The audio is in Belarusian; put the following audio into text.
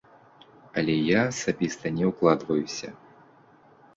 Але я асабіста не ўкладваюся!